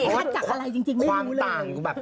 ขั้นจากอะไรจริงไม่รู้เลย